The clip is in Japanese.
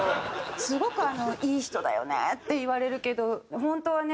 すごく「いい人だよね」って言われるけど本当はね